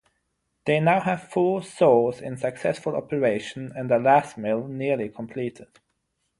They now have four Saws in successful operation and a Lath Mill nearly completed.